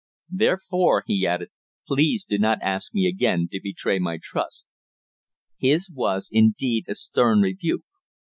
Therefore," he added, "please do not ask me again to betray my trust." His was, indeed, a stern rebuke.